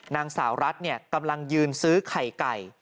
นางสาวรัฐกำลังยืนซื้อไข่ไก่